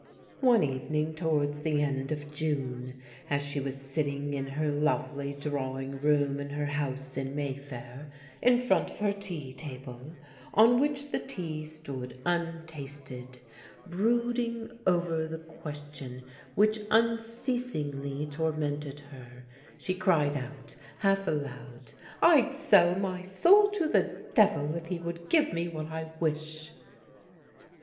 One evening towards the end of June, as she was sitting in her lovely drawing room in her house in Mayfair, in front of her tea table, on which the tea stood untasted, brooding over the question which unceasingly tormented her, she cried out, half aloud: "I'd sell my soul to the devil if he would give me what I wish."